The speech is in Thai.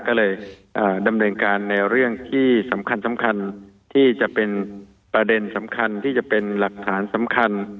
ก็เลยดำเนินการในเรื่องที่สำคัญที่จะเป็นประเด็นสำคัญที่จะเป็นหลักฐานสำคัญ